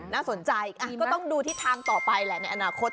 น่าสนใจก็ต้องดูทิศทางต่อไปแหละในอนาคต